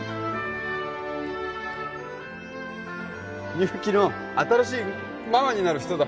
みゆきの新しいママになる人だ